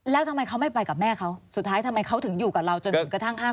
แล้วทำไมเขาไม่ไปกับแม่เขาสุดท้ายทำไมเขาถึงอยู่กับเราจนถึงกระทั่ง